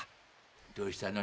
「どうしたの？